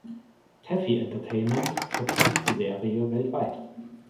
Taffy Entertainment vertrieb die Serie weltweit.